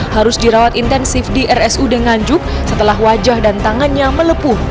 harus dirawat intensif di rsud nganjuk setelah wajah dan tangannya melepuh